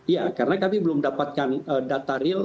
ya karena kami belum dapatkan data real